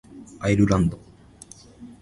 アイルランド